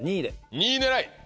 ２位狙い。